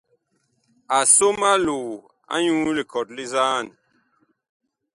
A som aloo anyuu likɔt li nzaan.